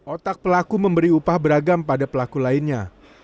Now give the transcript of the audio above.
otak pelaku memberi upah beragam pada pelaku lainnya